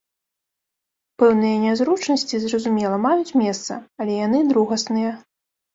Пэўныя нязручнасці, зразумела, маюць месца, але яны другасныя.